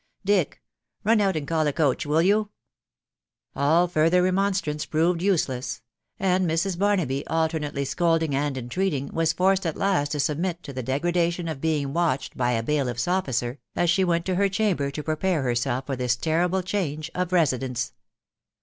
••. Dick ••• run out and call a coach, will you ?" All farther remonstrance proved useless ; and Mrs. Barnaby, alternately scolding and entreating, was forced at laai taiwkKasfc. 366 THE WIDOW BARNABY. to the degradation of being watched by a bailiff's officer as she went to her chamber to prepare herself for this terrible change of residence.